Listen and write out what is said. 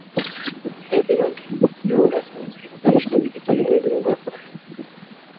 এই বিমানটি U S M C, Spanish navy, ইতালীয় নেভি ব্যবহার করে।